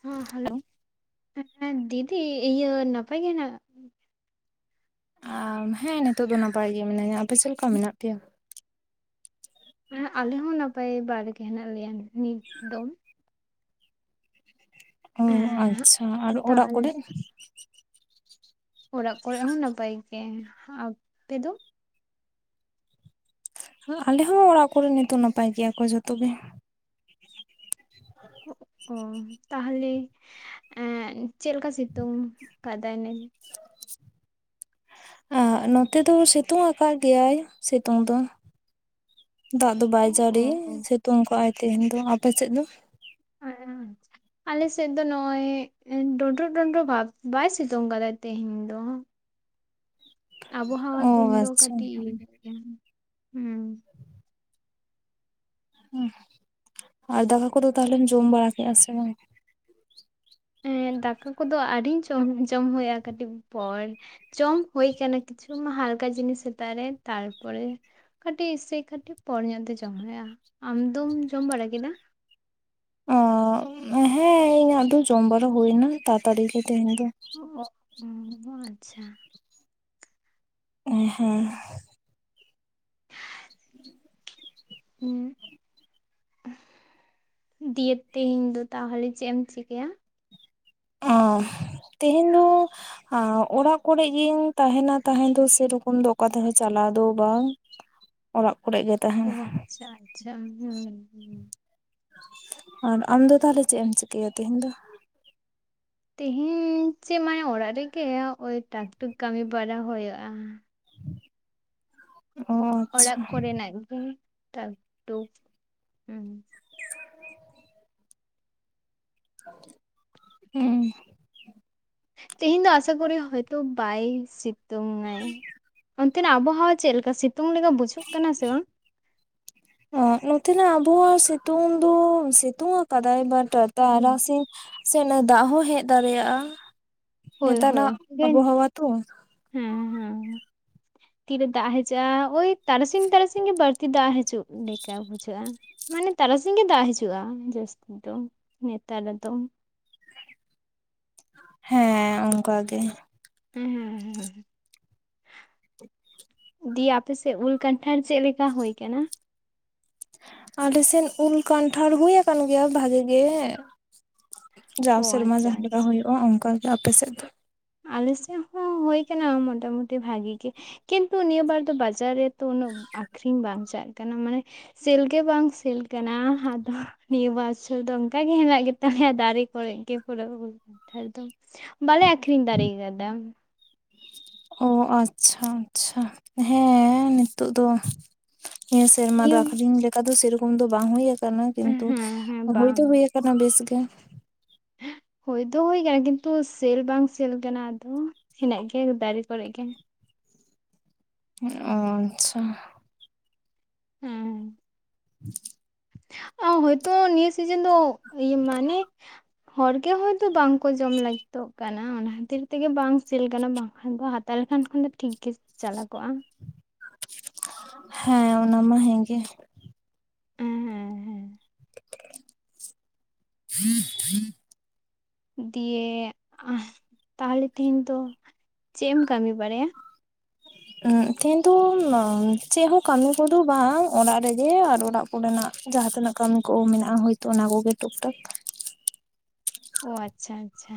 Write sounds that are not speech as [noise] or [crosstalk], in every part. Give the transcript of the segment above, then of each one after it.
ᱦᱚᱸ ᱦᱟᱞᱳ ᱦᱮᱸ ᱫᱤᱫᱤ ᱤᱭᱟᱹ ᱱᱟᱯᱟᱭ ᱜᱮ ᱦᱮᱱᱟᱜ ᱟᱢ ᱦᱮᱸ ᱱᱤᱛᱳ ᱫᱚ ᱱᱟᱯᱟᱭ ᱜᱮ ᱢᱤᱱᱟᱹᱧᱟ ᱟᱯᱮ ᱪᱮᱫ ᱞᱮᱠᱟ ᱢᱮᱱᱟᱜ ᱯᱮᱭᱟ ᱦᱮᱸ ᱟᱞᱮ ᱦᱚᱸ ᱱᱟᱯᱟᱭ ᱵᱟᱨᱜᱮ ᱦᱮᱱᱟᱜ ᱞᱮᱭᱟ ᱱᱤᱛ ᱫᱚᱢ ᱚ ᱮᱸ ᱟᱪᱪᱷᱟ ᱟᱨ ᱚᱲᱟᱜ ᱛᱟᱦᱚᱞᱮ ᱠᱚᱨᱮ ᱚᱲᱟᱜ ᱠᱚᱨᱮ ᱦᱚᱸ ᱱᱟᱯᱟᱭ ᱜᱮ ᱟᱯᱮ ᱫᱚ ᱟᱞᱮ ᱦᱚᱸ ᱚᱲᱟᱜ ᱠᱚᱨᱮ ᱱᱤᱛᱚᱜ ᱱᱟᱯᱟᱭ ᱜᱮᱭᱟ ᱠᱚ ᱡᱚᱛᱚ ᱜᱮ ᱚ ᱛᱟᱦᱞᱮ ᱮᱸ ᱪᱮᱫ ᱞᱮᱠᱟ ᱥᱤᱛᱩᱝ ᱠᱟᱫᱟᱭ ᱱᱤᱛ [unintelligible] ᱟᱜ ᱱᱚᱛᱮ ᱫᱚ ᱥᱤᱛᱩᱝ ᱟᱠᱟᱫ ᱜᱮᱭᱟᱭ ᱥᱤᱛᱩᱝ ᱫᱚ ᱫᱟᱜ ᱫᱚ ᱵᱟᱭ ᱚ ᱡᱟᱹᱲᱤ ᱚ ᱥᱤᱛᱩᱝ ᱠᱚᱜᱼᱟᱭ ᱛᱮᱸᱦᱮᱸᱧ ᱫᱚ ᱟᱯᱮᱥᱮᱫ ᱫᱚ [unintelligible] ᱟᱞᱮ ᱥᱮᱫ ᱫᱚ ᱱᱚᱜᱼᱚᱭ ᱰᱚᱸᱰᱳ ᱰᱚᱸᱰᱳ ᱵᱷᱟᱵ ᱵᱟᱭ ᱥᱤᱛᱩᱝ ᱠᱟᱫᱟᱭ ᱛᱤᱦᱮᱧ ᱫᱚ ᱟᱵᱚᱦᱟᱣᱟ ᱚ ᱫᱤᱱ ᱫᱚ ᱟᱪᱪᱷᱟ ᱠᱟᱹᱴᱤᱡ ᱤᱭᱟᱹ ᱧᱚᱜ ᱜᱮᱭᱟ ᱦᱩᱸ ᱟᱨ ᱫᱟᱠᱟ ᱠᱚᱫᱚ ᱛᱟᱦᱞᱮᱢ ᱡᱚᱢ ᱵᱟᱲᱟ ᱠᱮᱜᱼᱟ ᱥᱮ ᱵᱟᱝ ᱦᱮᱸ ᱫᱟᱠᱟ ᱠᱚᱫᱚ ᱟᱹᱰᱤᱧ ᱡᱚᱢ ᱡᱚᱢ ᱦᱩᱭᱩᱜᱼᱟ ᱠᱟᱹᱴᱤᱡ ᱯᱚᱨ ᱪᱚᱢ ᱦᱩᱭ ᱠᱟᱱᱟ ᱠᱤᱪᱷᱩ ᱦᱟᱞᱠᱟ ᱡᱤᱱᱤᱥ ᱥᱮᱛᱟᱜ ᱨᱮ ᱛᱟᱨᱯᱚᱨᱮ ᱠᱟᱹᱴᱤᱡ ᱥᱮ ᱠᱟᱹᱴᱤᱡ ᱯᱚᱨ ᱧᱚᱜ ᱛᱮ ᱡᱚᱢ ᱢᱮ ᱟᱢ ᱫᱚᱢ ᱡᱚᱢ ᱵᱟᱲᱟ ᱠᱮᱫᱟ ᱚ ᱦᱮᱸ ᱤᱧᱟᱹᱜ ᱫᱚ ᱡᱚᱢ ᱵᱟᱨᱟ ᱦᱩᱭ ᱮᱱᱟ ᱛᱟᱛᱟᱲᱤᱜᱤ ᱛᱮᱦᱮᱧ ᱫᱚ [unintelligible] ᱟᱪᱷᱟ ᱮᱸ ᱦᱮᱸ [unintelligible] [inaudible] ᱤᱧ [unintelligible] ᱫᱤᱭᱮ ᱛᱤᱦᱤᱸᱧ ᱫᱚ ᱛᱟᱦᱚᱞᱮ ᱪᱮᱫ ᱮᱢ ᱪᱤᱠᱟᱹᱭᱟ ᱚᱸᱦ ᱛᱤᱦᱤᱸᱧ ᱧᱩ ᱟ ᱚᱲᱟᱜ ᱠᱚᱨᱮᱜ ᱜᱤᱧ ᱛᱟᱦᱮᱱᱟ ᱛᱟᱦᱮ ᱫᱚ ᱥᱮᱨᱚᱠᱚᱢ ᱫᱚ ᱚᱠᱟ ᱛᱮᱦᱚᱸ ᱪᱟᱞᱟᱣ ᱫᱚ ᱵᱟᱝ ᱚᱞᱟᱜ ᱠᱚᱨᱮ ᱜᱮ ᱛᱟᱦᱮᱱ ᱚ ᱟᱪᱪᱷᱟ ᱟᱪᱪᱷᱟ ᱦᱩᱸᱦᱩᱸ ᱟᱨ ᱟᱢᱫᱚ ᱛᱟᱦᱞᱮ ᱪᱮᱫ ᱮᱢ ᱪᱤᱠᱟᱹᱭᱟ ᱛᱤᱦᱤᱧ ᱫᱚ ᱛᱤᱦᱤᱧ ᱪᱮᱫ ᱢᱟᱱᱮ ᱚᱲᱟᱜ ᱨᱮᱜᱮ ᱳᱭ ᱴᱟᱠ ᱴᱩᱠ ᱠᱟᱹᱢᱤ ᱵᱟᱲᱟ ᱦᱩᱭᱳᱜᱼᱟ ᱚ ᱟᱪᱪᱷᱟ ᱚᱲᱟᱜ ᱠᱚᱨᱮᱱᱟᱜ ᱜᱤ ᱴᱟᱠ ᱴᱩᱠ ᱩᱦᱩᱸ [inaudible] ᱩᱸ ᱛᱤᱦᱤᱧ ᱫᱚ ᱟᱥᱟ ᱠᱚᱨᱤ ᱦᱳᱭᱛᱚ ᱵᱟᱭ ᱥᱤᱛᱩᱝ ᱟᱭ ᱚᱱᱛᱮᱱᱟᱜ ᱟᱵᱚ ᱦᱚᱸ ᱪᱮᱫ ᱞᱮᱠᱟ ᱥᱤᱛᱩᱝ ᱞᱮᱠᱟ ᱵᱩᱡᱷᱟᱹᱜ ᱠᱟᱱᱟ ᱥᱮ ᱵᱟᱝ ᱚᱸ ᱱᱚᱛᱮᱱᱟᱜ ᱟᱵᱚᱣᱟᱜ ᱥᱤᱛᱩᱝ ᱫᱚ ᱥᱤᱛᱩᱝ ᱠᱟᱫᱟᱭ ᱵᱟ ᱴᱟ ᱛᱟᱨᱟᱥᱤ ᱥᱮ ᱱᱮ ᱫᱟᱜ ᱦᱚᱸ ᱦᱮᱜ ᱫᱟᱲᱮᱭᱟᱜᱼᱟ ᱱᱮᱛᱟᱱᱟᱜ ᱟᱵᱚᱦᱟᱣᱟ ᱛᱚ ᱦᱩᱸ ᱦᱩᱸ ᱛᱤᱨᱮ ᱫᱟᱜ ᱦᱮᱡᱟᱜᱼᱟ ᱳᱭ ᱛᱟᱨᱟᱥᱤᱧ ᱛᱟᱨᱟᱥᱤᱧ ᱜᱤ ᱵᱟᱹᱲᱛᱤ ᱫᱟᱜ ᱦᱮᱡᱩᱜ ᱞᱮᱠᱟ ᱵᱩᱡᱷᱟᱹᱜᱼᱟ ᱢᱟᱱᱮ ᱛᱟᱨᱟᱥᱤᱧ ᱜᱤ ᱫᱟᱜ ᱦᱤᱡᱩᱜᱼᱟ ᱡᱟᱹᱥᱛᱤ ᱫᱚ ᱱᱮᱛᱟᱨ ᱫᱚ ᱦᱮᱸ ᱚᱝᱠᱟ ᱜᱮ [unintelligible] ᱫᱤᱭᱟ ᱟᱯᱮᱥᱮᱜ ᱩᱞ ᱠᱟᱱᱴᱷᱟᱲ ᱪᱮᱜ ᱞᱮᱠᱟ ᱦᱳᱭ ᱠᱟᱱᱟ ᱟᱞᱮᱥᱮᱱ ᱩᱞ ᱠᱟᱱᱴᱷᱟᱲ ᱦᱩᱭ ᱟᱠᱟᱱ ᱜᱮᱭᱟ ᱵᱷᱟᱜᱮ ᱜᱮ ᱡᱟᱣ ᱚ ᱥᱮᱨᱢᱟ ᱟᱪᱪᱷᱟ ᱡᱟᱦᱟᱸᱞᱮᱠᱟ ᱟᱪᱪᱷᱟ᱾ ᱦᱩᱭᱩᱜᱼᱟ ᱚᱝᱠᱟᱜᱮ ᱛᱚ ᱟᱯᱮ ᱥᱮᱜ ᱫᱚ ᱟᱞᱮᱥᱮᱜ ᱦᱚᱸ ᱦᱳᱭ ᱠᱟᱱᱟ ᱢᱚᱴᱟᱢᱩᱴᱤ ᱵᱷᱟᱜᱤ ᱜᱤ ᱠᱤᱱᱛᱩ ᱱᱤᱭᱟᱹ ᱵᱟᱨ ᱫᱚ ᱵᱟᱡᱟᱨ ᱨᱮᱛᱚ ᱩᱱᱟᱹᱜ ᱟᱠᱷᱨᱤᱧ ᱵᱟᱝᱪᱟᱜ ᱠᱟᱱᱟ ᱢᱟᱱᱮ ᱥᱤᱞ ᱜᱮ ᱵᱟᱝ ᱥᱮᱞ ᱠᱟᱱᱟ ᱟᱫᱚ ᱱᱤᱭᱟᱹ ᱵᱟᱪᱷᱚᱨ ᱫᱚ ᱚᱝᱠᱟ ᱜᱮ ᱦᱮᱱᱟᱜ ᱜᱮᱛᱟᱞᱮᱭᱟ ᱫᱟᱨᱮ ᱠᱚᱨᱮᱜ ᱜᱮ ᱯᱩᱨᱟᱹ ᱩᱞ‌ ᱠᱟᱸᱴᱷᱟᱨ ᱫᱚ ᱵᱟᱞᱮ ᱟᱠᱷᱨᱤᱧ ᱫᱟᱲᱮ ᱠᱟᱫᱟ ᱚ ᱟᱪᱪᱷᱟ ᱟᱪᱪᱷᱟ ᱦᱮᱸ ᱱᱤᱛᱳᱜ ᱫᱚ ᱱᱤᱭᱟ ᱥᱮᱨᱢᱟ ᱫᱚ ᱱᱤᱭᱟᱹ ᱟᱠᱷᱨᱤᱧ ᱞᱮᱠᱟ ᱫᱚ ᱥᱮᱨᱚᱠᱚᱢ ᱫᱚ ᱵᱟᱝ ᱦᱩᱭᱩᱠᱟᱱᱟ ᱠᱤᱱᱛᱩ ᱦᱮᱸ ᱦᱮᱸ ᱦᱩᱭ ᱵᱟᱝ ᱫᱚ ᱦᱩᱭᱟᱠ ᱠᱟᱱᱟ ᱵᱮᱥ ᱜᱮ ᱦᱳᱭ ᱫᱚ ᱦᱳᱭ ᱠᱟᱱᱟ ᱠᱤᱱᱛᱩ ᱥᱮᱞ ᱵᱟᱝ ᱥᱮᱞ ᱠᱟᱱᱟ ᱟᱫᱚ ᱦᱮᱱᱟᱜ ᱜᱮᱭᱟ ᱫᱟᱨᱮ ᱠᱚᱨᱮᱜ ᱜᱮ ᱾ ᱚᱸ ᱟᱪᱪᱷᱟ [inaudible] ᱚ ᱦᱚᱭᱛᱳ ᱱᱤᱭᱟᱹ ᱥᱤᱡᱮᱱ ᱫᱚ ᱤᱭᱟᱹ ᱢᱟᱱᱮᱜ ᱦᱚᱲ ᱜᱮ ᱦᱚᱭᱛᱳ ᱵᱟᱝᱠᱚ ᱡᱚᱢ ᱞᱟᱹᱜᱤᱛᱚᱜ ᱠᱟᱱᱟ ᱚᱱᱟ ᱠᱷᱟᱹᱛᱤᱨ ᱛᱮᱜᱮ ᱵᱟᱝ ᱥᱤᱞ ᱠᱟᱱᱟ ᱵᱟᱝᱠᱷᱟᱱ ᱫᱚ ᱦᱟᱛ ᱛᱟᱦᱚᱞᱮ ᱠᱷᱟᱱ ᱠᱷᱚᱱ ᱫᱚ ᱴᱷᱤᱠ ᱜᱮ ᱪᱟᱞᱟ ᱠᱚᱜᱼᱟ ᱾ ᱦᱮᱸ ᱚᱱᱟ ᱢᱟ ᱦᱮᱸᱜᱮ ᱦᱮᱸ ᱦᱮᱸ ᱦᱮᱸ [unintelligible] ᱫᱤᱭᱮ ᱛᱟᱦᱚᱞᱮ ᱛᱮᱦᱮᱧ ᱫᱚ ᱪᱮᱜ ᱮᱢ ᱠᱟᱹᱢᱤ ᱵᱟᱨᱟᱭᱟ? [inaudible] ᱛᱮᱦᱮᱱ ᱫᱚ ᱱᱚ ᱪᱮᱜ ᱦᱚᱸ ᱠᱟᱹᱢᱤ ᱠᱚᱫᱚ ᱵᱟᱝ ᱚᱲᱟᱜ ᱨᱮᱜᱮ ᱟᱨ ᱚᱲᱟᱜ ᱚᱸᱰᱮᱱᱟᱜ ᱡᱟᱦᱟᱸ ᱛᱤᱱᱟᱹ ᱠᱟᱹᱢᱤ ᱠᱚ ᱢᱮᱱᱟᱜᱼᱟ ᱦᱳᱭᱛᱚ ᱚᱱᱟ ᱠᱚᱜᱮ ᱴᱩᱠ ᱴᱟᱠ ᱚ ᱟᱪᱪᱷᱟ ᱟᱪᱪᱷᱟ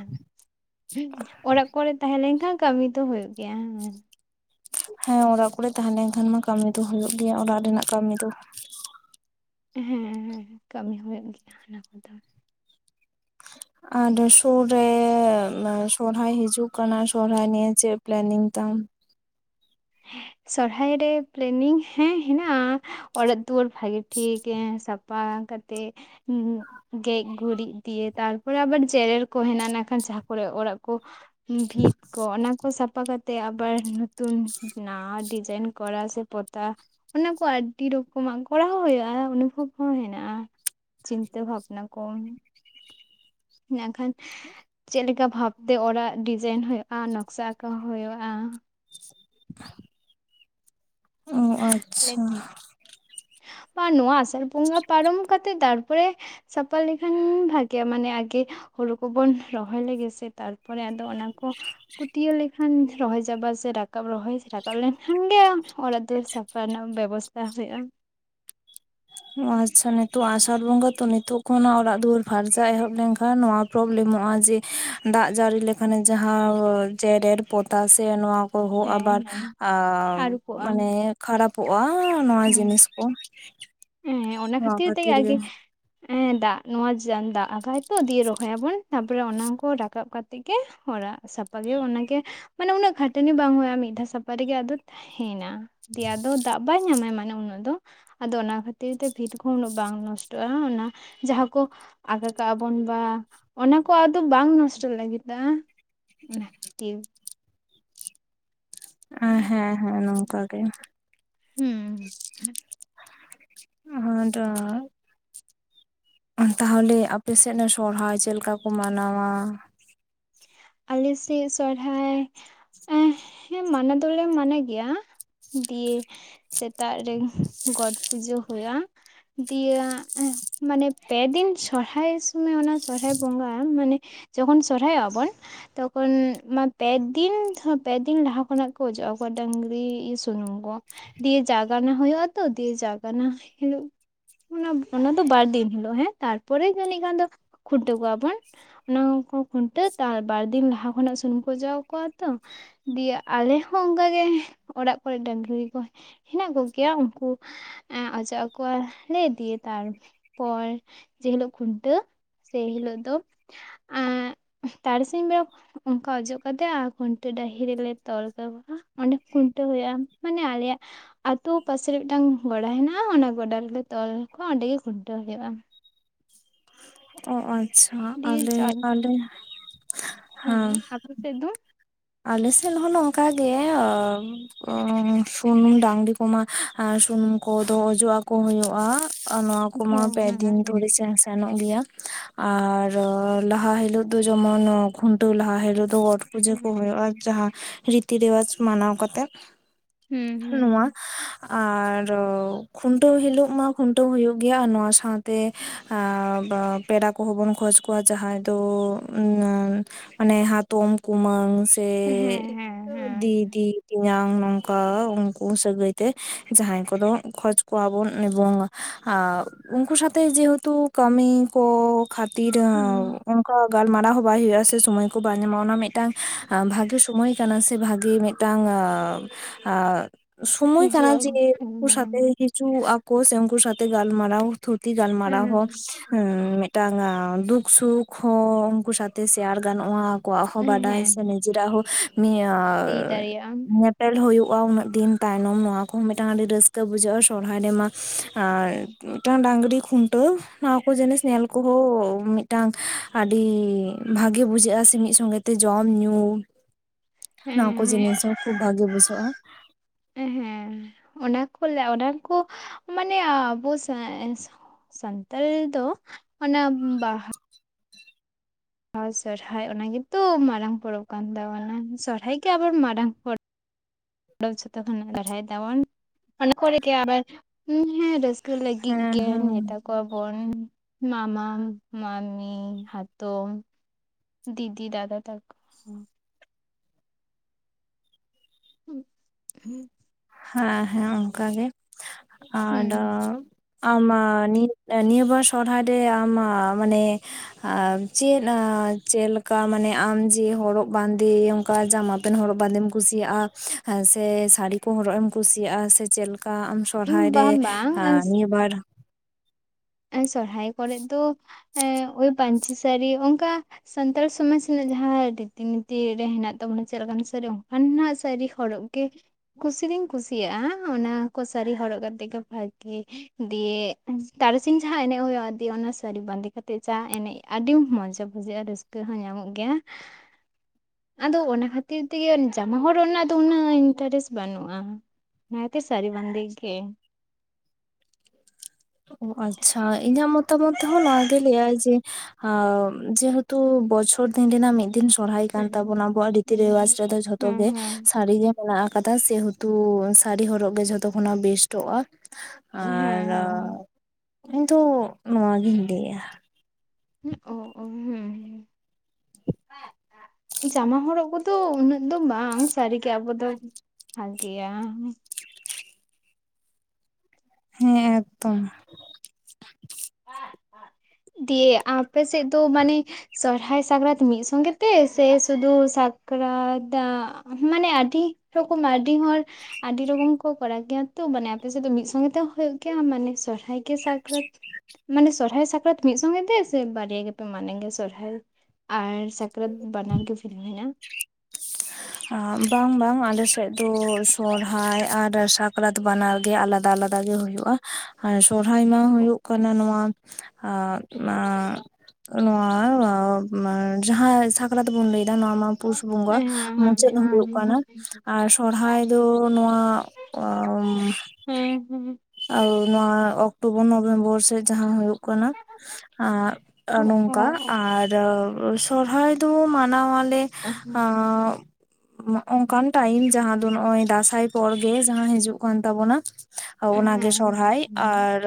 ᱚᱲᱟᱜ ᱠᱚᱨᱮ ᱛᱟᱦᱮᱸ ᱞᱮᱝᱠᱷᱟᱱ ᱠᱟᱹᱢᱤ ᱫᱚ ᱦᱳᱭᱳᱜ ᱜᱮᱭᱟ ᱦᱮᱸ ᱾ ᱦᱮᱸ ᱚᱲᱟᱜ ᱠᱚᱨᱮ ᱛᱟᱦᱮᱸ ᱞᱮᱱᱠᱷᱟᱱ ᱢᱟ ᱠᱟᱹᱢᱤ ᱫᱚ ᱦᱳᱭᱳᱜ ᱜᱮᱭᱟ ᱚᱲᱟᱜ ᱨᱮᱱᱟᱜ ᱠᱟᱹᱢᱤ ᱫᱚ ᱾ ᱦᱮᱸ ᱦᱮᱸ ᱠᱟᱹᱢᱤ ᱦᱳᱭᱳᱜ ᱜᱮᱭᱟ ᱦᱟᱱᱟ ᱠᱚᱫᱚ ᱾ ᱟᱨ ᱥᱩᱨ ᱨᱮ ᱥᱚᱨᱦᱟᱭ ᱦᱤᱡᱩᱜ ᱠᱟᱱᱟ ᱥᱚᱨᱦᱟᱭ ᱱᱤᱭᱮ ᱪᱮᱜ ᱯᱞᱮᱱᱤᱝ ᱛᱟᱢ? ᱦᱮᱸ ᱥᱚᱨᱦᱟᱭ ᱨᱮ ᱯᱞᱮᱱᱤᱝ ᱦᱮᱸ ᱦᱤᱱᱟᱜᱼᱟ ᱚᱲᱟᱜ ᱫᱩᱣᱟᱹᱨ ᱵᱷᱟᱜᱮ ᱴᱷᱤᱠ ᱥᱟᱵ ᱯᱟ ᱠᱟᱛᱮᱜ [unintelligible] ᱜᱮᱡ ᱜᱩᱨᱤᱡ ᱫᱤᱭᱮ ᱛᱟᱨᱯᱚᱨᱮ ᱟᱵᱟᱨ ᱡᱮᱨᱮᱲ ᱠᱚ ᱦᱮᱱᱟᱜᱼᱟ ᱱᱟᱜ ᱠᱷᱟᱱ ᱡᱟᱦᱟᱸ ᱠᱚᱨᱮᱜ ᱚᱲᱟᱜ ᱠᱚ ᱵᱷᱤᱛ ᱠᱚ ᱚᱱᱟ ᱠᱚ ᱥᱟᱯᱷᱟ ᱠᱟᱛᱮᱜ ᱟᱵᱟᱨ ᱱᱚᱛᱩᱱ ᱱᱟᱣᱟ ᱰᱤᱡᱟᱭᱤᱱ ᱠᱚᱨᱟ ᱥᱮ ᱯᱚᱛᱟ ᱚᱱᱟ ᱠᱚ ᱟᱹᱰᱤ ᱨᱚᱠᱚᱢᱟᱜ ᱠᱚᱨᱟᱣ ᱦᱚᱸ ᱦᱳᱭᱳᱜᱼᱟ ᱚᱱᱩᱵᱷᱚᱵ ᱦᱚᱸ ᱦᱮᱱᱟᱜᱼᱟ ᱾ ᱪᱤᱱᱛᱟᱹ ᱵᱷᱟᱵᱽᱱᱟ ᱠᱚᱢ ᱱᱮᱜᱠᱷᱟᱱ ᱪᱮᱜᱞᱮᱠᱟ ᱵᱷᱟᱵᱛᱮ ᱚᱲᱟᱜ ᱰᱤᱡᱟᱭᱤᱱ ᱦᱩᱭᱩᱜᱼᱟ ᱱᱚᱠᱥᱟ ᱟᱸᱠᱟᱣ ᱦᱩᱭᱩᱜᱼᱟ? ᱚ ᱟᱪᱪᱷᱟ ᱟᱨ ᱱᱚᱣᱟ ᱟᱥᱟᱲ ᱵᱚᱸᱜᱟ ᱯᱟᱨᱚᱢ ᱠᱟᱛᱮᱜ ᱛᱟᱨᱯᱚᱨᱮ ᱥᱟᱯᱷᱟ ᱞᱮᱠᱷᱟᱱ ᱵᱷᱟᱜᱮᱜᱼᱟ ᱢᱟᱱᱮ ᱟᱜᱮ ᱦᱩᱲᱩ ᱠᱚᱵᱚᱱ ᱨᱚᱦᱚᱭ ᱞᱮᱜᱮ ᱥᱮ ᱛᱟᱨᱯᱚᱨᱮ ᱟᱫᱚ ᱚᱱᱟ ᱠᱚ ᱠᱩᱴᱭᱟᱹ ᱞᱮᱠᱷᱟᱱ ᱨᱚᱦᱚᱭ ᱪᱟᱵᱟ ᱥᱮ ᱨᱟᱠᱟᱵ ᱨᱚᱦᱚᱭ ᱥᱮ ᱨᱟᱠᱟᱵ ᱞᱮᱱᱠᱷᱟᱱ ᱜᱮ ᱚᱲᱟᱜ ᱫᱩᱣᱟ. ᱨ ᱥᱟᱯᱷᱟ ᱨᱮᱱᱟᱜ ᱵᱮᱵᱚᱥᱛᱟ ᱦᱩᱭᱩᱜᱼᱟ ᱾ ᱚ ᱟᱪᱪᱷᱟ ᱱᱤᱛᱚᱜ ᱟᱥᱟᱲ ᱵᱚᱸᱜᱟ ᱛᱚ ᱱᱤᱛᱚᱜ ᱠᱷᱚᱱᱟᱜ ᱚᱲᱟᱜ ᱫᱩᱣᱟᱹᱨ ᱯᱷᱟᱨᱪᱟ ᱮᱦᱚᱵ ᱞᱮᱱᱠᱷᱟᱱ ᱱᱚᱣᱟ ᱯᱨᱚᱵᱞᱮᱢᱚᱜᱼᱟ ᱡᱮ ᱫᱟᱜ ᱡᱟᱹᱲᱤ ᱞᱮᱠᱷᱟᱱ ᱡᱟᱦᱟᱸ ᱡᱮᱨᱮᱲ ᱯᱚᱛᱟᱣ ᱥᱮ ᱱᱚᱣᱟ ᱠᱚᱦᱚᱸ ᱟᱵᱟᱨ ᱦᱮᱸ ᱦᱮᱸ ᱟᱜ ᱟᱹᱨᱩᱵᱚᱜᱼᱟ ᱢᱟᱱᱮ ᱠᱷᱟᱨᱟᱯᱚᱜᱼᱟ ᱾ ᱱᱚᱣᱟ ᱦᱮᱸ ᱡᱤᱱᱤᱥ ᱠᱚ ᱦᱮᱸ ᱚᱱᱟ ᱱᱚᱣᱟ ᱠᱷᱟᱹᱛᱤᱨ ᱛᱮᱜᱮ ᱜᱮ ᱟᱨᱠᱤ ᱦᱮᱸ ᱫᱟᱜ ᱱᱚᱣᱟ ᱫᱟᱜ ᱟᱠᱟᱜᱟᱭ ᱛᱚ ᱫᱤᱭᱮ ᱨᱚᱦᱚᱭᱟᱵᱚᱱ ᱛᱟᱯᱚᱨᱮ ᱚᱱᱟ ᱠᱚ ᱨᱟᱠᱟᱵ ᱠᱟᱛᱮ ᱛᱮᱜᱮ ᱦᱚᱲᱟᱜ ᱥᱟᱯᱟᱜ ᱜᱮ ᱚᱱᱟᱜᱮ ᱢᱟᱱᱮ ᱩᱱᱟᱹᱜ ᱠᱷᱟᱹᱴᱟᱹᱱᱤ ᱵᱟᱝ ᱦᱩᱭᱩᱜᱼᱟ ᱢᱤᱫ ᱫᱷᱟᱣ ᱥᱟᱯᱷᱟ ᱨᱮᱜᱮ ᱟᱫᱚ ᱦᱮᱱᱟ ᱫᱮᱭᱟ ᱫᱚ ᱫᱟᱜ ᱵᱟᱭ ᱧᱟᱢᱟᱭ ᱢᱟᱱᱮ ᱩᱱᱟᱹᱜ ᱫᱚ ᱟᱫᱚ ᱚᱱᱟ ᱠᱷᱟᱹᱛᱤᱨ ᱛᱮ ᱵᱷᱤᱛ ᱠᱚᱦᱚᱸ ᱩᱱᱟᱹᱜ ᱵᱟᱝ ᱱᱚᱥᱴᱚᱜᱼᱟ ᱚᱱᱟ ᱡᱟᱦᱟᱸ ᱠᱚ ᱟᱠᱟ ᱠᱟᱜ-ᱟ ᱵᱚᱱ ᱵᱟ ᱚᱱᱟ ᱠᱚ ᱟᱫᱚ ᱵᱟᱝ ᱱᱚᱥᱴᱚᱜ ᱞᱟᱹᱜᱤᱫᱼᱟ? ᱚᱱᱟᱦ ᱛᱤᱣ ᱦᱮᱸ ᱦᱮᱸ ᱱᱚᱝᱠᱟ ᱜᱮ ᱦᱩᱸ ᱚᱦ ᱟᱫᱚ ᱟᱨ ᱛᱟᱦᱚᱞᱮ ᱟᱯᱮᱥᱮᱫ ᱫᱚ ᱥᱚᱨᱦᱟᱭ ᱪᱮᱫ ᱞᱮᱠᱟ ᱠᱚ ᱢᱟᱱᱟᱣᱟ? ᱟᱞᱮᱥᱮᱫ ᱥᱚᱨᱦᱟᱭ ᱮ ᱦᱮᱸ ᱢᱟᱱᱟ ᱫᱚᱞᱮ ᱢᱟᱱᱟ ᱜᱮᱭᱟ ᱫᱤᱭᱮ ᱥᱮᱛᱟᱜ ᱨᱮ ᱜᱚᱴ ᱯᱩᱡᱟᱹ ᱦᱩᱭᱟ ᱫᱤᱭᱮ ᱟ ᱢᱟᱱᱮ ᱯᱮᱫᱤᱱ ᱥᱚᱨᱦᱟᱭ ᱥᱩᱢᱟᱹᱭ ᱚᱱᱟ ᱥᱚᱨᱦᱟᱭ ᱵᱚᱸᱜᱟ ᱢᱟᱱᱮ ᱡᱚᱠᱷᱚᱱ ᱥᱚᱨᱦᱟᱭᱚᱜ-ᱟ ᱵᱚᱱ ᱛᱚᱠᱷᱚᱱ ᱢᱟ ᱯᱮᱫᱤᱱ ᱯᱮᱫᱤᱱ ᱞᱟᱦᱟ ᱠᱷᱚᱱᱟᱜ ᱠᱚ ᱚᱡᱚᱜ ᱟᱠᱚ ᱰᱟᱺᱝᱨᱤ ᱥᱩᱱᱩᱢ ᱠᱚ ᱫᱤᱭᱮ ᱡᱟᱜᱟᱱᱟ ᱦᱩᱭᱩᱜᱼᱟ ᱛᱚ ᱫᱤᱭᱮ ᱡᱟᱜᱟᱱᱟ ᱦᱤᱞᱚᱜ ᱚᱱᱟ ᱚᱱᱟ ᱫᱚ ᱵᱟᱨ ᱫᱤᱱ ᱦᱤᱞᱚᱜ ᱦᱮᱸ ᱛᱟᱨᱯᱚᱨᱮ ᱡᱟᱹᱱᱤᱡ ᱠᱷᱟᱱ ᱫᱚ ᱠᱷᱩᱱᱴᱟᱹᱣ ᱠᱚᱣᱟ ᱵᱚᱱ ᱱᱟᱹᱣᱠᱚ ᱠᱷᱩᱱᱴᱟᱹᱣ ᱛᱟᱨ ᱵᱟᱨᱫᱤᱱ ᱞᱟᱦᱟ ᱠᱷᱚᱱᱟᱜ ᱥᱩᱱᱩᱢ ᱠᱚ ᱚᱡᱚᱜ ᱟᱠᱚᱣᱟ ᱛᱚ ᱫᱤᱭᱮ ᱟᱞᱮ ᱦᱚᱸ ᱚᱱᱠᱟᱜ ᱜᱮ ᱚᱲᱟᱜ ᱠᱚᱨᱮ ᱰᱟᱺᱝᱨᱤ ᱠᱚ ᱦᱮᱸᱱᱟᱜ ᱠᱚ ᱜᱮᱭᱟ ᱩᱱᱠᱩ ᱮ ᱚᱡᱚᱜ ᱟᱠᱚᱣᱟ ᱞᱮ ᱫᱤᱭᱮ ᱛᱟᱨᱯᱚᱨ ᱡᱮ ᱦᱤᱞᱚᱜ ᱠᱷᱩᱱᱴᱟᱹᱣ ᱥᱮᱭ ᱦᱤᱞᱚᱜ ᱫᱚ ᱮᱸᱜ ᱛᱟᱨᱟᱥᱤᱧ ᱵᱮᱲᱟ ᱚᱱᱠᱟ ᱚᱡᱚᱜ ᱠᱟᱛᱮᱜ ᱟᱨ ᱠᱷᱩᱱᱴᱟᱹᱣ ᱰᱟᱹᱦᱤ ᱨᱮᱞᱮ ᱛᱚᱞ ᱠᱟᱠᱚᱣᱟ ᱚᱸᱰᱮ ᱠᱷᱩᱱᱴᱟᱹᱣ ᱦᱩᱭᱩᱜᱼᱟ ᱢᱟᱱᱮ ᱟᱞᱮᱭᱟᱜ ᱟᱹᱛᱩ ᱯᱟᱥᱮ ᱨᱮ ᱢᱤᱫᱴᱟᱝ ᱜᱚᱰᱟ ᱦᱮᱱᱟᱜᱼᱟ ᱚᱱᱟ ᱜᱚᱰᱟ ᱨᱮᱞᱮ ᱛᱚᱞ ᱠᱚᱣᱟ ᱚᱸᱰᱮ ᱜᱮ ᱠᱷᱩᱱᱴᱟᱹᱣ ᱦᱩᱭᱩᱜᱼᱟ᱾ ᱚ ᱟᱪᱪᱷᱟ ᱫᱤᱭᱮ ᱟᱞᱮ ᱪᱟᱸᱫ ᱟᱞᱮ ᱦᱮᱸ ᱟᱯᱮ ᱥᱮᱫ ᱫᱚ ᱟᱞᱮᱥᱮᱱ ᱦᱚᱸ ᱱᱚᱝᱠᱟ ᱜᱮ ᱚ ᱚ ᱥᱩᱱᱩᱢ ᱰᱟᱺᱝᱨᱤ ᱠᱚᱢᱟ ᱟᱨ ᱥᱩᱱᱩᱢ ᱠᱚᱫᱚ ᱚᱡᱚᱜ ᱟᱠᱚ ᱦᱩᱭᱩᱜᱼᱟ ᱟᱨ ᱱᱚᱣᱟ ᱠᱚᱢᱟ ᱦᱮᱸ ᱯᱮ ᱦᱮᱸ ᱫᱤᱱ ᱦᱮᱸ ᱫᱷᱩᱲᱤ ᱥᱮᱱ ᱥᱮᱱᱚᱜ ᱜᱮᱭᱟ ᱟᱨ ᱞᱟᱦᱟ ᱦᱤᱞᱚᱜ ᱫᱚ ᱡᱮᱢᱚᱱ ᱠᱷᱩᱱᱴᱟᱹᱣ ᱞᱟᱦᱟ ᱦᱤᱞᱚᱜ ᱫᱚ ᱚᱸᱴ ᱯᱩᱡᱟᱹ ᱦᱚᱜ-ᱚᱭ ᱡᱟᱦᱟᱸ ᱨᱤᱛᱤ ᱨᱮᱣᱟᱡ ᱢᱟᱱᱟᱣ ᱠᱟᱛᱮᱜ ᱦᱩᱸ ᱱᱚᱶᱟ ᱦᱩᱸ ᱟᱨ ᱠᱷᱩᱱᱴᱟᱹᱣ ᱦᱤᱞᱚᱜ ᱢᱟ ᱠᱷᱩᱱᱴᱟᱹᱣ ᱦᱩᱭᱩᱜ ᱜᱮᱭᱟ ᱟᱨ ᱱᱚᱶᱟ ᱥᱟᱶ ᱛᱮ ᱟᱵ ᱯᱮᱲᱟ ᱠᱚᱦᱚᱸ ᱵᱚᱱ ᱠᱷᱡᱽ ᱠᱚᱣᱟ ᱡᱟᱦᱟᱸᱭ ᱫᱚ ᱢᱟᱱᱮ ᱦᱟᱛᱚᱢ ᱠᱩᱢᱟᱹᱝ ᱥᱮ ᱦᱮᱸ ᱦᱮᱸ ᱦᱮᱸ ᱫᱤᱫᱤ ᱛᱮᱧᱟᱝ ᱱᱚᱝᱠᱟ ᱩᱱᱠᱩ ᱥᱟᱹᱜᱟᱹᱭ ᱛᱮ ᱡᱟᱦᱟᱸᱭ ᱠᱚᱫᱚ ᱠᱷᱡᱽ ᱠᱚᱣᱟᱵᱚᱱ ᱮᱵᱚᱝ ᱟ ᱩᱱᱠᱩ ᱥᱟᱶᱛᱮ ᱡᱮᱦᱮᱛᱩ ᱠᱟᱹᱢᱤ ᱠᱚ ᱠᱷᱟᱹᱛᱤᱨ ᱦᱩᱸ ᱚᱱᱠᱟ ᱜᱟᱞᱢᱟᱨᱟᱣ ᱦᱚᱸ ᱵᱟᱭ ᱦᱩᱭᱩᱜᱼᱟ ᱥᱮ ᱥᱚᱢᱚᱭ ᱠᱚ ᱵᱟᱭ ᱧᱟᱢᱚᱜᱟ ᱚᱱᱟ ᱢᱤᱫᱴᱟᱝ ᱟ ᱵᱷᱟᱜᱤᱥ ᱥᱚᱢᱚᱭ ᱠᱟᱱᱟ ᱥᱮ ᱵᱷᱟᱜᱤ ᱢᱤᱫᱴᱟᱝ ᱟ ᱟ ᱥᱚᱢᱚᱭ ᱠᱟᱱᱟ ᱦᱤᱡᱩᱜ ᱡᱮ ᱟᱠᱚ ᱦᱮᱸ ᱩᱱᱠᱩ ᱦᱮᱸ ᱥᱟᱛᱮ ᱦᱤᱡᱩᱜ ᱟᱠᱚ ᱥᱮ ᱥᱚᱸᱜᱮ ᱥᱟᱛᱮ ᱜᱟᱞᱢᱟᱨᱟᱣ ᱛᱷᱩᱛᱤ ᱦᱮᱸ ᱜᱟᱞᱢᱟᱨᱟᱣ ᱦᱚᱸ ᱮᱸ ᱢᱮᱫ ᱢᱤᱫ ᱴᱟᱝᱼᱟ ᱫᱩᱠ ᱥᱩᱠ ᱦᱚᱸ ᱩᱱᱠᱩ ᱥᱟᱛᱮ ᱥᱮᱭᱟᱨ ᱜᱟᱱᱚᱜᱼᱟ ᱟᱠᱚᱣᱟᱜ ᱦᱚᱸ ᱦᱮᱸ ᱵᱟᱰᱟᱭ ᱦᱮᱸ ᱱᱤᱡᱤ ᱨᱟᱜ ᱦᱚᱸ ᱢᱮᱭᱟᱶ ᱞᱟᱹᱭ ᱢᱤᱛ ᱫᱟᱲᱮᱭᱟᱜ ᱟᱢ ᱧᱮᱯᱮᱞ ᱦᱩᱭᱩᱜᱼᱟ ᱩᱱᱟᱹᱜ ᱫᱤᱱ ᱛᱟᱭᱱᱚᱢ ᱱᱚᱶᱟ ᱠᱚᱦᱚᱸ ᱢᱤᱫᱴᱟᱝ ᱟᱹᱰᱤ ᱨᱟᱹᱥᱠᱟᱹ ᱵᱩᱡᱷᱟᱹᱜᱼᱟ ᱥᱚᱨᱦᱟᱭ ᱨᱮᱢᱟ ᱟ ᱢᱤᱫ ᱴᱟᱱ ᱰᱟᱝᱨᱤ ᱠᱷᱩᱱᱴᱟᱹᱣ ᱱᱚᱶᱟ ᱠᱚ ᱡᱤᱱᱤᱥ ᱧᱮᱞ ᱠᱚᱦᱚᱸ ᱢᱤᱫ ᱴᱟᱝ ᱟᱹᱰᱤ ᱵᱷᱟᱜᱮ ᱵᱩᱡᱷᱟᱹᱜ-ᱟ ᱥᱮ ᱢᱤᱫ ᱥᱚᱸᱜᱮ ᱛᱮ ᱡᱚᱢ ᱧᱩ ᱦᱮᱸ ᱱᱚᱶᱟ ᱠᱚ ᱦᱮᱸ ᱡᱤᱱᱤᱥ ᱦᱚᱸ ᱠᱷᱩᱵ ᱵᱷᱟᱜᱮ ᱵᱩᱡᱷᱟᱹᱜᱼᱟ᱾ ᱦᱮᱸ ᱚᱱᱟ ᱠᱚ ᱞᱮᱣᱰᱟ ᱠᱚ ᱢᱟᱱᱮ ᱟᱵᱚ ᱥᱟᱸᱭ ᱥᱮ ᱥᱟᱱᱛᱟᱞ ᱫᱚ ᱚᱱᱟ ᱵᱟᱦᱟ ᱟᱨ ᱥᱚᱨᱦᱟᱭ ᱚᱱᱟᱜᱮᱛᱚ ᱢᱟᱨᱟᱝ ᱯᱚᱨᱚᱵᱽ ᱠᱟᱱ ᱛᱟᱵᱚᱱᱟ ᱥᱚᱨᱦᱟᱭ ᱜᱮ ᱟᱵᱚᱣᱟᱜ ᱢᱟᱨᱟᱝ ᱯᱚᱨᱚᱵᱽ ᱚ ᱡᱚᱛᱚ ᱠᱷᱚᱱ ᱫᱟᱨᱦᱟᱭ ᱫᱟᱵᱚᱱ ᱚᱱᱟ ᱠᱚᱨᱮ ᱜᱮ ᱟᱵᱟᱨ ᱩᱸ ᱦᱮᱸ ᱵᱮᱥ ᱴᱷᱤᱠᱟᱹ ᱞᱟᱹᱜᱤᱫ ᱦᱮᱸ ᱜᱮ ᱦᱮᱸ ᱱᱮᱛᱟᱠ ᱠᱚᱵᱚᱱ ᱢᱟᱢᱟ ᱢᱟᱹᱢᱤ ᱦᱟᱛᱚᱢ ᱫᱤᱫᱤ ᱫᱟᱫᱟ ᱛᱟᱠᱚ ᱩᱸᱜ ᱦᱩᱸᱜ ᱦᱮᱸ ᱦᱮᱸ ᱚᱱᱠᱟ ᱜᱮ ᱟᱨᱚ ᱟᱢᱟ ᱱᱤᱭᱟᱹᱵᱟᱨ ᱥᱚᱨᱦᱟᱭ ᱨᱮ ᱟᱢ ᱢᱟᱱᱮ ᱟᱨ ᱪᱮᱫ ᱪᱮᱫ ᱞᱮᱠᱟ ᱢᱟᱱᱮ ᱟᱢ ᱡᱮ ᱦᱚᱨᱚᱜ ᱵᱟᱸᱫᱮ ᱚᱱᱠᱟ ᱡᱟᱢᱟ ᱦᱟᱯᱮᱱ ᱦᱚᱲ ᱵᱟᱸᱫᱮᱢ ᱠᱩᱥᱤᱭᱟᱜᱼᱟ ᱥᱮ ᱥᱟᱲᱤ ᱠᱚ ᱦᱚᱨᱚᱜ ᱮᱢ ᱠᱩᱥᱤᱭᱟᱜᱼᱟ ᱥᱮ ᱪᱮᱫ ᱞᱮᱠᱟ ᱟᱢ ᱥᱚᱨᱦᱟᱭ ᱦᱩᱸ ᱨᱮ ᱵᱟᱝ ᱵᱟᱝ ᱱᱤᱭᱟᱹ ᱵᱟᱨ ᱥᱚᱨᱦᱟᱭ ᱠᱚᱨᱮᱜ ᱫᱚ ᱮᱜ ᱳᱭ ᱯᱟᱹᱧᱪᱤ ᱥᱟᱹᱲᱤ ᱚᱱᱠᱟ ᱥᱟᱱᱛᱟᱲ ᱥᱚᱢᱟᱡᱽ ᱨᱮᱱᱟᱜ ᱡᱟᱦᱟᱸ ᱨᱤᱛᱤᱱᱤᱛᱤ ᱨᱮ ᱦᱮᱱᱟᱜ ᱛᱟᱵᱚᱱᱟ ᱪᱮᱫ ᱞᱮᱠᱟᱱ ᱥᱟᱹᱨᱤ ᱚᱱᱠᱟᱱᱟᱜ ᱥᱟᱹᱨᱤ ᱦᱚᱨᱚᱜ ᱜᱮ ᱠᱩᱥᱤ ᱫᱩᱧ ᱠᱩᱥᱤᱭᱟᱜᱼᱟ ᱚᱱᱟ ᱠᱚ ᱥᱟᱨᱤ ᱦᱚᱨᱚᱜ ᱠᱟᱛᱮ ᱜᱮ ᱵᱷᱟᱜᱤ ᱫᱤᱭᱮ ᱛᱟᱨᱟᱥᱤᱧ ᱡᱟᱦᱟᱸ ᱮᱱᱮᱡ ᱦᱩᱭᱩᱜᱼᱟᱫᱤ ᱚᱱᱟ ᱥᱟᱹᱲᱤ ᱵᱟᱸᱫᱮ ᱠᱟᱛᱮᱮᱫ ᱡᱟ ᱮᱱᱮᱡ ᱟᱹᱰᱤ ᱢᱚᱡᱮ ᱵᱩᱡᱟᱹᱜᱼᱟ ᱨᱟᱹᱥᱠᱟᱹᱼᱟ ᱠᱟᱹ ᱦᱚᱸ ᱧᱟᱢᱚᱜ ᱜᱮᱭᱟ ᱟᱫᱚ ᱚᱱᱟ ᱠᱷᱟᱹᱛᱤᱨ ᱛᱮᱜᱮ ᱡᱟᱢᱟ ᱦᱚᱨᱚᱜ ᱨᱮᱱᱟᱜ ᱫᱚ ᱩᱱᱟᱹᱜ ᱤᱱᱴᱟᱨᱮᱥᱴ ᱵᱟᱹᱱᱩᱜᱼᱟ ᱱᱟᱭᱛᱮ ᱥᱟᱹᱨᱤ ᱵᱟᱫᱮ ᱜᱮ ᱟᱪᱪᱷᱟ ᱤᱧᱟᱹᱜ ᱢᱚᱛᱟᱢᱚᱛ ᱛᱮ ᱱᱚᱣᱟ ᱜᱮ ᱞᱟᱹᱭᱟᱭ ᱡᱮ ᱡᱮᱦᱮᱛᱩ ᱵᱚᱪᱷᱚᱨ ᱫᱤᱱ ᱨᱮᱱᱟᱜ ᱢᱤᱫ ᱫᱤᱱ ᱥᱚᱨᱚᱦᱟᱭ ᱠᱟᱱ ᱦᱩᱸ ᱛᱟᱵᱚᱱᱟ ᱟᱵᱚᱣᱟᱜ ᱨᱤᱛᱤ ᱦᱩᱸ ᱨᱮᱣᱟ ᱨᱮᱫᱚ ᱡᱷᱚᱛᱚ ᱦᱩᱸ ᱜᱮ ᱦᱩᱸ ᱥᱟᱹᱨᱤᱜᱮ ᱢᱮᱱᱟᱜ ᱟᱠᱟᱫᱟ ᱥᱮᱦᱮᱛᱩ ᱥᱟᱹᱨᱤ ᱦᱚᱨᱚᱜ ᱜᱮ ᱡᱷᱚᱛᱚ ᱠᱷᱚᱱᱟᱜ ᱵᱮᱥ ᱴᱚᱜᱼᱟ ᱟᱨ ᱦᱮᱸ ᱦᱮᱸ ᱤᱧᱫᱚ ᱱᱚᱣᱟᱜᱤᱧ ᱞᱟᱹᱭᱟ ᱦᱮᱸ ᱦᱸ ᱡᱟᱢᱟ ᱦᱚᱲᱚᱜ ᱠᱚᱫᱚ ᱩᱱᱟᱹᱜ ᱫᱚ ᱵᱟᱝ ᱥᱟᱹᱨᱤ ᱜᱮ ᱟᱵᱚ ᱫᱚ ᱵᱷᱟᱜᱮᱭᱟ ᱦᱮᱸ ᱮᱠᱫᱚᱢ ᱫᱤᱭᱮ ᱟᱯᱮ ᱥᱮᱫ ᱫᱚ ᱢᱟᱱᱮ ᱥᱚᱨᱦᱟᱭ ᱥᱟᱠᱨᱟᱛ ᱢᱤᱫ ᱥᱚᱸᱜᱮ ᱛᱮ ᱥᱮ ᱥᱩᱫᱩ ᱥᱟᱠᱨᱟᱛ ᱢᱟᱱᱮ ᱟᱹᱰᱤ ᱨᱚᱠᱚᱢ ᱢᱟᱨᱰᱤᱦᱚᱨ ᱟᱹᱰᱤ ᱨᱚᱠᱚᱢ ᱠᱚ ᱠᱚᱨᱟᱣ ᱜᱮᱭᱟ ᱛᱚ ᱢᱟᱱᱮ ᱟᱯᱮ ᱥᱮᱫ ᱫᱚ ᱢᱤᱫ ᱥᱚᱸᱜᱮ ᱛᱮᱦᱚᱸ ᱦᱩᱭᱩᱜᱳ ᱜᱮᱭᱟ ᱢᱟᱱᱮ ᱥᱚᱨᱦᱟᱭ ᱜᱮ ᱥᱟᱠᱨᱟᱛ ᱢᱟᱱᱮ ᱥᱚᱨᱦᱟᱭ ᱥᱟᱠᱨᱟᱛ ᱢᱤᱫ ᱥᱚᱸᱜᱮ ᱛᱮ ᱥᱮ ᱵᱟᱨᱭᱟ ᱜᱮᱯᱮ ᱢᱟᱱᱮ ᱜᱮᱭᱟ ᱥᱚᱨᱦᱟᱭ ᱟᱨ ᱥᱟᱠᱨᱟᱛ ᱵᱟᱱᱟᱨ ᱜᱮ ᱯᱷᱤᱞᱤᱢ ᱦᱱᱟᱜ ᱵᱟᱝ ᱵᱟᱝ ᱟᱞᱮᱥᱮᱫ ᱫᱚ ᱥᱚᱨᱦᱟᱭ ᱟᱨ ᱥᱟᱠ ᱥᱟᱠᱨᱟᱛ ᱵᱟᱱᱟᱨ ᱜᱮ ᱟᱞᱟᱫᱟ ᱟᱞᱟᱫᱟ ᱜᱮ ᱦᱩᱭᱩᱜᱼᱟ ᱟᱨ ᱥᱚᱨᱦᱟᱭ ᱢᱟ ᱦᱩᱭᱩᱜ ᱠᱟᱱᱟ ᱱᱚᱣᱟ ᱟ ᱱᱟ ᱱᱚᱣᱟ ᱡᱟᱦᱟᱸ ᱥᱟᱠᱨᱟᱛ ᱵᱚᱱ ᱞᱟᱹᱭᱫᱟ ᱱᱚᱣᱟ ᱢᱟ ᱯᱩᱥ ᱵᱚᱸᱜᱟ ᱢᱩᱪᱟᱹᱫ ᱦᱩᱭᱩᱜ ᱠᱟᱱᱟ ᱟᱨ ᱥᱚᱨᱦᱟᱭ ᱫᱚ ᱱᱚᱣᱟ [unintelligible] ᱦᱮᱸ ᱦᱩᱸ ᱟᱨ ᱱᱚᱣᱟ ᱚᱠᱴᱳᱵᱚᱨ ᱱᱚᱵᱷᱮᱢᱵᱚᱨ ᱥᱮᱫ ᱡᱟᱦᱟᱸ ᱦᱩᱭᱩᱜ ᱠᱟᱱᱟ ᱱᱚᱝᱠᱟ ᱟᱨ ᱥᱚᱨᱦᱟᱭ ᱫᱚ ᱢᱟᱱᱟᱣ ᱟᱞᱮ ᱚᱱᱠᱟᱱ ᱴᱟᱭᱤᱢ ᱡᱟᱦᱟᱸ ᱫᱚ ᱱᱚᱜ ᱚᱭ ᱫᱟᱸᱥᱟᱭ ᱯᱚᱨ ᱜᱮ ᱡᱟᱦᱟᱸ ᱦᱤᱡᱩᱜ ᱠᱟᱱ ᱛᱟᱵᱚᱱᱟ ᱦᱮᱸ ᱚᱱᱟ ᱜᱮ ᱥᱚᱨᱦᱟᱭ ᱟᱨ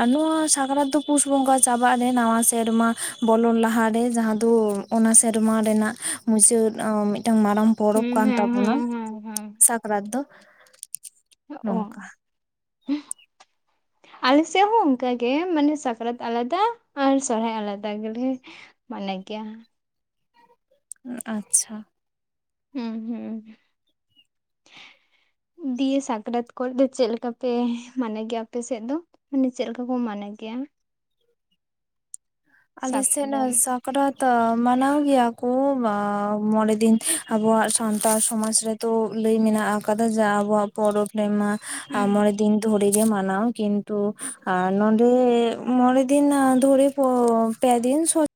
ᱟᱨ ᱱᱚᱣᱟ ᱥᱟᱠᱨᱟᱛ ᱫᱚ ᱯᱩᱥ ᱵᱚᱸᱜᱟ ᱪᱟᱵᱟᱜ ᱨᱮ ᱱᱟᱣᱟ ᱥᱮᱨᱢᱟ ᱵᱚᱞᱚᱱ ᱞᱟᱦᱟ ᱨᱮ ᱡᱟᱦᱟᱸ ᱫᱚ ᱚᱱᱟ ᱥᱮᱨᱢᱟ ᱨᱮᱱᱟᱜ ᱢᱩᱪᱟᱹᱫ ᱢᱤᱫᱴᱟᱝ ᱢᱟᱨᱟᱝ ᱯᱚᱨᱚᱵᱽ ᱠᱟᱱ ᱦᱮᱸ ᱛᱟᱵᱚᱱᱟ ᱦᱮᱸ ᱦᱮᱸ ᱯᱟᱨᱟᱵ ᱫᱚ ᱚ ᱱᱚᱝᱠᱟ ᱟᱞᱮ ᱥᱮᱫ ᱦᱚᱸ ᱚᱱᱠᱟ ᱜᱮ ᱢᱟᱱᱮ ᱥᱟᱠᱨᱟᱛ ᱟᱞᱟᱫᱟ ᱟᱨ ᱥᱚᱦᱨᱟᱭ ᱟᱞᱟᱫᱟ ᱜᱮᱞᱮ ᱢᱟᱱᱟᱣ ᱜᱮᱭᱟ ᱟᱪᱪᱷᱟ ᱦᱩᱸ ᱦᱩᱸ ᱤᱭᱟᱹ ᱥᱟᱠᱨᱟᱛ ᱠᱚᱨᱮ ᱫᱚ ᱪᱮᱫ ᱞᱮᱠᱟ ᱯᱮ ᱢᱟᱱᱟᱣ ᱜᱮᱭᱟ ᱟᱯᱮ ᱥᱮᱫ ᱫᱚ ᱢᱟᱱᱮ ᱪᱮᱫ ᱞᱮᱠᱟ ᱠᱚ ᱢᱚᱱᱮ ᱜᱮᱭᱟ ᱟᱞᱮ ᱥᱟᱠᱨᱟᱛ ᱥᱮᱱᱟᱜ ᱥᱟᱠᱨᱟᱛ ᱢᱟᱱᱟᱣ ᱜᱮᱭᱟ ᱠᱚ ᱢᱚᱲᱮ ᱫᱤᱱ ᱟᱵᱩᱣᱟᱜ ᱥᱟᱱᱛᱟᱲ ᱥᱚᱢᱟᱡᱽ ᱨᱮ ᱛᱚ ᱞᱟᱹᱭ ᱢᱮᱱᱟᱜ ᱟᱠᱟᱫᱟ ᱡᱮ ᱟᱵᱚᱣᱟᱜ ᱯᱚᱨᱚᱵᱽ ᱨᱮᱢᱟ ᱦᱩᱸ ᱢᱚᱬᱮ ᱫᱤᱱ ᱫᱷᱚᱨᱮ ᱜᱮ ᱢᱟᱱᱟᱣ ᱠᱤᱱᱛᱩ ᱟᱨ ᱱᱚᱰᱮ ᱢᱚᱸᱲᱮ ᱫᱤᱱ ᱫᱷᱚᱨᱮ ᱯᱮ ᱫᱤᱧ ᱥᱚᱪ